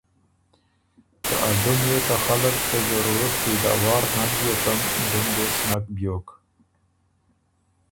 که ا ډُم يې ته خلق ته ضرورت پېداوار نک بیوکن ډُم دې سو نک بیوک۔